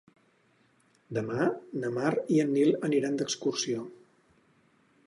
Demà na Mar i en Nil aniran d'excursió.